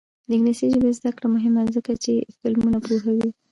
د انګلیسي ژبې زده کړه مهمه ده ځکه چې فلمونه پوهوي.